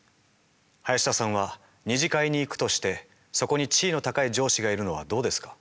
林田さんは二次会に行くとしてそこに地位の高い上司がいるのはどうですか？